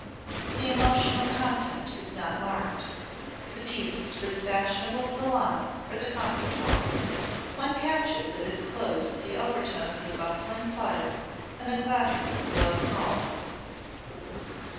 The emotional content is not marked. The piece is for the fashionable salon or the concert hall. One catches at its close the overtones of bustling plaudits and the clapping of gloved palms.